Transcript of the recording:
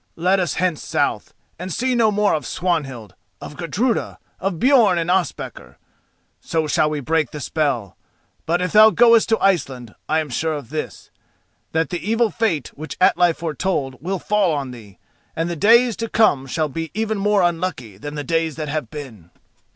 Let us hence south, and see no more of Swanhild, of Gudruda, of Björn and Ospakar. So shall we break the spell. But if thou goest to Iceland, I am sure of this: that the evil fate which Atli foretold will fall on thee, and the days to come shall be even more unlucky than the days that have been."